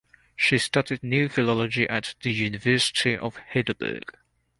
She studied New Philology at the University of Heidelberg.